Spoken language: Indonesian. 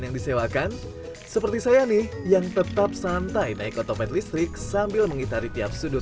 yang disewakan seperti saya nih yang tetap santai naik otopet listrik sambil mengitari tiap sudut